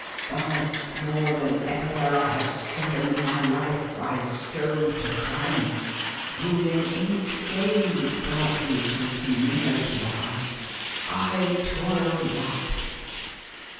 But, more than ever I had striven in my life, I strove to climb ! Only an inch gained, brought me something nearer to the height. I toiled up